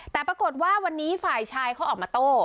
แต่ปรากฏว่าวันนี้ฝ่ายชายเขาออกมาโต้